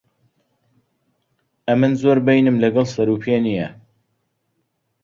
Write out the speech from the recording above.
ئەمن زۆر بەینم لەگەڵ سەر و پێ نییە.